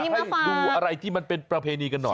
ให้ดูอะไรที่มันเป็นประเพณีกันหน่อย